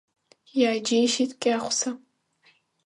Иааџьеишьеит Кьаӷәса.